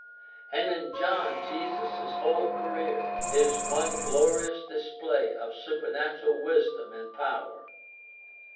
And in John Jesus' whole career, is one glorious display of supernatural wisdom and power.